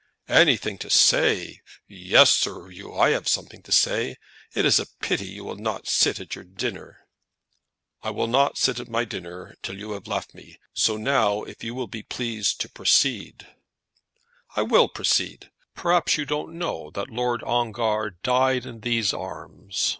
"Anything to say! Yes, Sir 'Oo, I have something to say. It is a pity you will not sit at your dinner." "I will not sit at my dinner till you have left me. So now, if you will be pleased to proceed " "I will proceed. Perhaps you don't know that Lord Ongar died in these arms?"